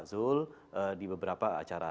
ketidakhadiran daripada pak zulkifli di beberapa acara